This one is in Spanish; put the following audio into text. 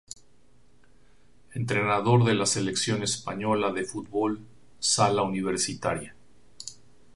Entrenador de la Selección española de fútbol sala universitaria.